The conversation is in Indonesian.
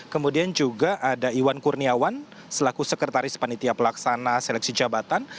kemudian juga ada iwan kurniawan selaku sekretaris panitia pelaksana seleksi jabatan